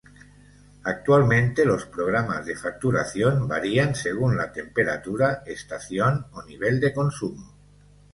Actualmente, los programas de facturación varían según la temperatura, estación o nivel de consumo.